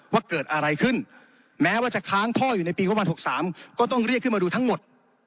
ว่าเกิดอะไรขึ้นแม้ว่าจะค้างท่ออยู่ในปีประมาณ๖๓ก็ต้องเรียกขึ้นมาดูทั้งหมด